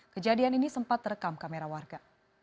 kejadian ini sempat terekam kamera warga